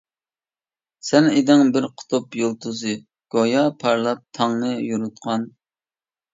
سەن ئىدىڭ بىر قۇتۇپ يۇلتۇزى، گويا پارلاپ تاڭنى يورۇتقان.